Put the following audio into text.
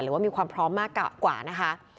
หรือว่ามีความพร้อมมากกว่านะคะ